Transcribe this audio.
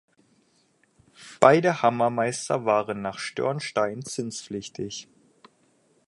Beide Hammermeister waren nach Störnstein zinspflichtig.